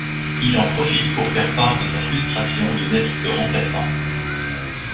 Il en profite pour faire part de sa frustration de n'être que remplaçant.